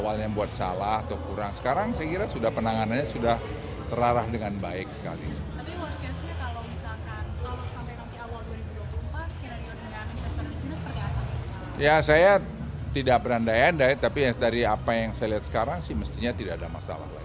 menyebut kasus rempang sudah ditangani dengan baik dan tidak ada masalah dengan investor cina